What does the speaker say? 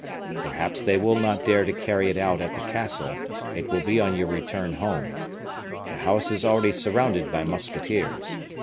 Perhaps they will not dare to carry it out at the castle; it will be on your return home. The house is already surrounded by musketeers.